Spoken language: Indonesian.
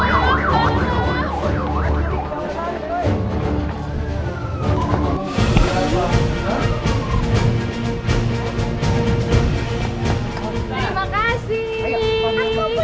aku punya tembakan